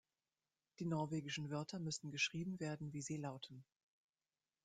Die norwegischen Wörter müssen geschrieben werden wie sie lauten.